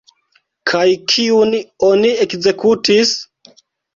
Kaj kiun oni ekzekutis?